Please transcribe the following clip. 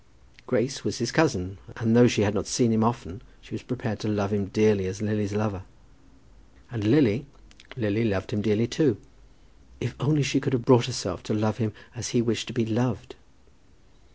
Grace was his cousin, and though she had not seen him often, she was prepared to love him dearly as Lily's lover. And Lily, Lily loved him dearly too, if only she could have brought herself to love him as he wished to be loved!